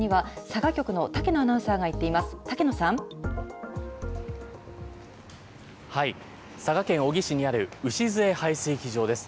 佐賀県小城市にある牛津江排水機場です。